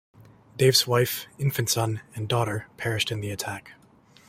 Deif's wife, infant son, and daughter perished in the attack.